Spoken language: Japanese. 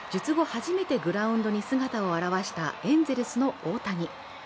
初めてグラウンドに姿を現したエンゼルスの大谷。